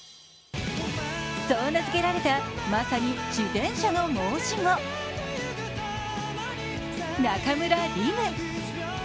そう名付けられたまさに自転車の申し子、中村輪夢。